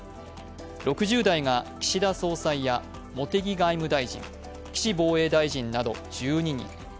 ６０代が岸田総裁や茂木外務大臣岸防衛大臣など１２人。